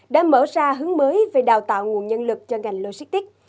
đã mở ra hướng mới về đào tạo nguồn nhân lực cho ngành logistics